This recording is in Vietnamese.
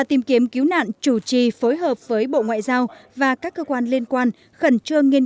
tìm kiếm cứu nạn chủ trì phối hợp với bộ ngoại giao và các cơ quan liên quan khẩn trương nghiên